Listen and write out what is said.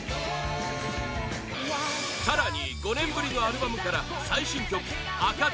更に、５年ぶりのアルバムから最新曲「暁」！